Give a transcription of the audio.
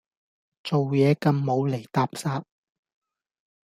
做嘢咁無厘搭霎